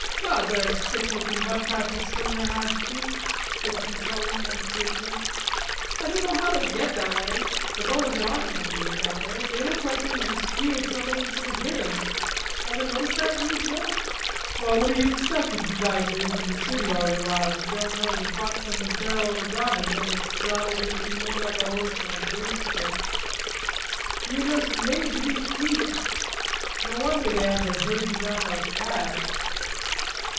"God, they're a sick lookin' bunch I have to sling the hash to," said Fuselli more cheerfully. "I don't know how they get that way. The fellers in our company ain't that way. They look like they was askeered somebody was going to hit 'em. Ever noticed that, Meadville?" "Well, what d'ye expect of you guys who live in the city all your lives and don't know the butt from the barrel of a gun an' never straddled anything more like a horse than a broomstick. Ye're juss made to be sheep. No wonder they have to herd you round like calves."